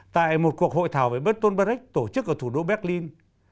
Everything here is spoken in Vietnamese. tại một cuộc hội thảo về bertolt brecht tổ chức ở thủ đô berlin